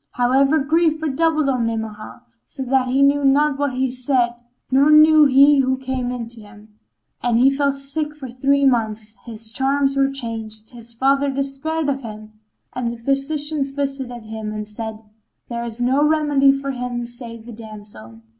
However grief redoubled on Ni'amah, so that he knew not what he said nor knew he who came in to him, and he fell sick for three months his charms were changed, his father despaired of him and the physicians visited him and said, "There is no remedy for him save the damsel."